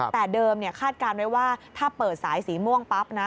แต่เดิมคาดการณ์ไว้ว่าถ้าเปิดสายสีม่วงปั๊บนะ